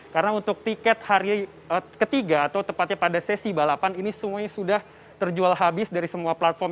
karena untuk tiket hari ketiga atau tepatnya pada sesi balapan ini semuanya sudah terjual habis dari semua platform